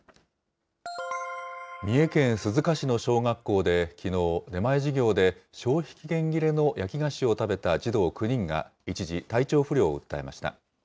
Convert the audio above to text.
三重県鈴鹿市の小学校できのう、出前授業で消費期限切れの焼き菓子を食べた児童９人が、一時体調不良を訴えました。